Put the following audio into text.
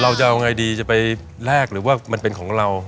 เราจะเอาไงดีจะไปแลกหรือว่ามันเป็นของเรา